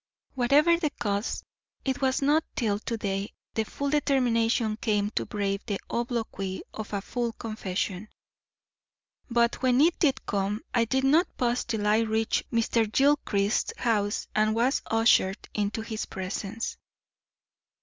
Whatever the cause, it was not till to day the full determination came to brave the obloquy of a full confession; but when it did come I did not pause till I reached Mr. Gilchrist's house and was ushered into his presence.